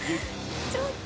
ちょっと。